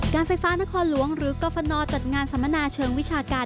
การไฟฟ้านครหลวงหรือกรฟนจัดงานสัมมนาเชิงวิชาการ